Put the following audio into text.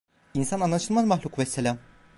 İnsan anlaşılmaz mahluk vesselam…